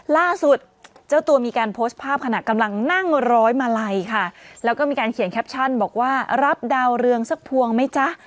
ล่าสุดเจ้าตัวมีการโพสต์ภาพขณะกำลังนั่งร้อยมาลัยค่ะแล้วก็มีการเขียนแคปชั่นบอกว่ารับดาวเรืองสักพวงไหมจ๊ะ